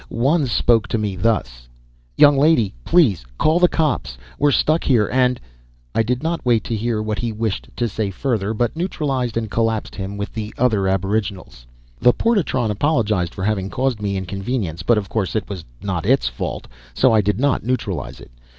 One spoke to me thus: "Young lady, please call the cops! We're stuck here, and " I did not wait to hear what he wished to say further, but neutralized and collapsed him with the other aboriginals. The portatron apologized for having caused me inconvenience; but of course it was not its fault, so I did not neutralize it.